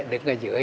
đứng ở giữa